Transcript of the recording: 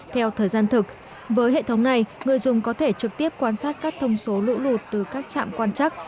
theo thời gian thực với hệ thống này người dùng có thể trực tiếp quan sát các thông số lũ lụt từ các trạm quan chắc